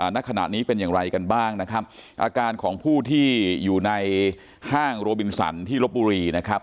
ณขณะนี้เป็นอย่างไรกันบ้างนะครับอาการของผู้ที่อยู่ในห้างโรบินสันที่ลบบุรีนะครับ